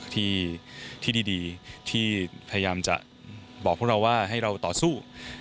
ที่ดีที่พยายามจะบอกพวกเราว่าให้เราต่อสู้